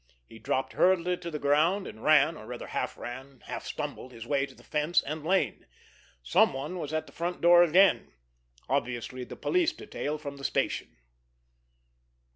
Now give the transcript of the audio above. He dropped hurriedly to the ground, and ran, or, rather, half ran, half stumbled his way to the fence and lane. Someone was at the front door again—obviously the police detail from the station.